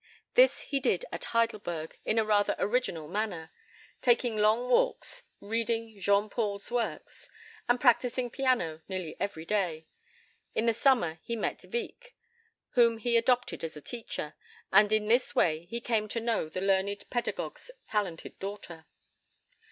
This he did at Heidelberg, in a rather original manner, taking long walks, reading Jean Paul's works, and practising piano nearly all day. In the summer he met Wieck, whom he adopted as a teacher, and in this way he came to know the learned pedagogue's talented daughter.